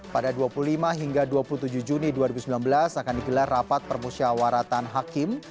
pada dua puluh lima hingga dua puluh tujuh juni dua ribu sembilan belas akan digelar rapat permusyawaratan hakim